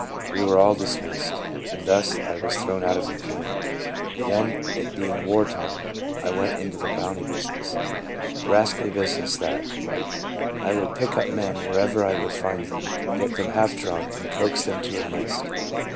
We were all dismissed, and thus I was thrown out of employment. Then, it being war time, I went into the bounty business. Rascally business, that. I would pick men up wherever I could find them, get them half drunk, and coax them to enlist.